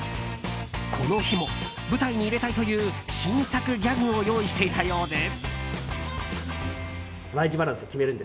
この日も舞台に入れたいという新作ギャグを用意していたようで。